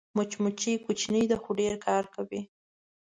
مچمچۍ کوچنۍ ده خو ډېر کار کوي